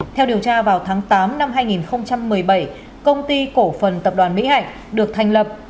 theo điều tra vào tháng tám năm hai nghìn một mươi bảy công ty cổ phần tập đoàn mỹ hạnh được thành lập